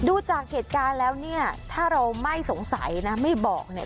ดูจากเหตุการณ์แล้วเนี่ยถ้าเราไม่สงสัยนะไม่บอกเนี่ย